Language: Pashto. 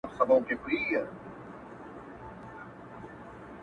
فناشو، زما یو شعر دی